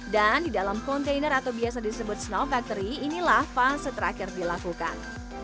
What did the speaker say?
dan di dalam kontainer atau biasa disebut snow factory inilah fase terakhir dilakukan